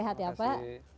sehat ya pak